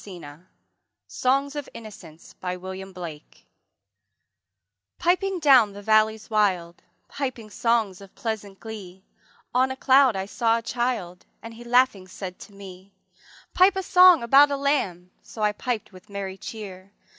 Y Z Songs of Innocence by William Blake Introduction Piping down the valleys wild, Piping songs of pleasant glee, On a cloud I saw a child, And he laughing said to me: ``Pipe a song about a Lamb!'' So I piped with a merry chear.